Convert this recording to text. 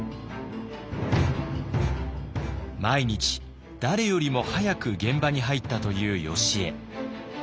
毎日誰よりも早く現場に入ったというよしえ。